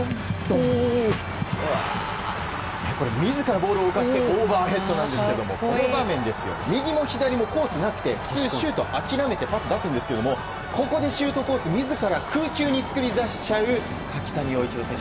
自らボールを浮かしてオーバーヘッドですがこの場面、右も左もコースなくて普通諦めてパスを出すんですがここでシュートコースを自ら空中に作り出しちゃう柿谷曜一朗選手。